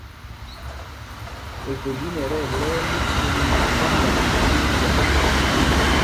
Evelin ɛ tí ɛlɛ̄y mí twôm mí kánda tí njǎŋ.